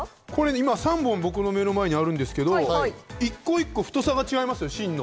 ３本、目の前にあるんですが、一個一個、太さが違います、芯の。